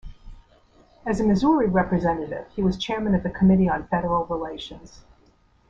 As a Missouri representative he was chairman of the Committee on Federal Relations.